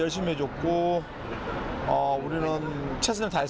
oh itu terakhir pertandingan ini